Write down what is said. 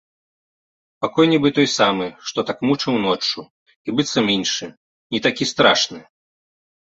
Пакой нібы той самы, што так мучыў ноччу, і быццам іншы, не такі страшны.